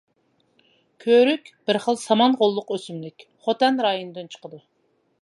كۆرۈك بىر خىل سامان غوللۇق ئۆسۈملۈك (خوتەن رايونىدىن چىقىدۇ).